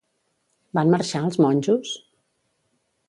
Van marxar, els monjos?